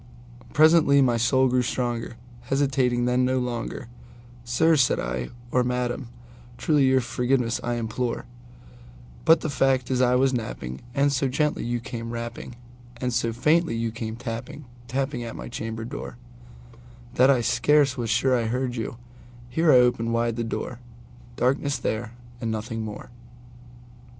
Presently my soul grew stronger; hesitating then no longer,"Sir," said I, "or Madam, truly your forgiveness I implore; But the fact is I was napping, and so gently you came rapping, And so faintly you came tapping, tapping at my chamber door, That I scarce was sure I heard you"—here I opened wide the door:—Darkness there and nothing more.